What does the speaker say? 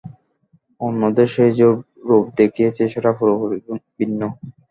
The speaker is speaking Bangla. অন্যদের সে যে রূপ দেখিয়েছে সেটা পুরোপুরি ভিন্ন।